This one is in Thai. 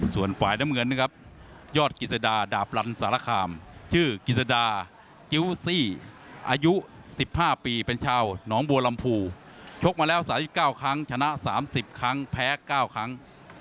ส่วนฝ่ายน้ำเงินนะครับยอดกิจสดาดาบรันสารคามชื่อกิจสดากิ้วซี่อายุ๑๕ปีเป็นชาวหนองบัวลำพูชกมาแล้ว๓๙ครั้งชนะ๓๐ครั้งแพ้๙ครั้ง